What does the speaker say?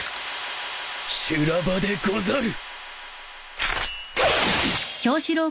修羅場でござる。